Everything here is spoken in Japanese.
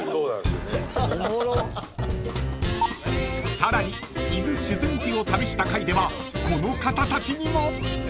［さらに伊豆修善寺を旅した回ではこの方たちにも］